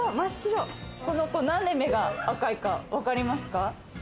この子、何で目が赤いかわかりますか？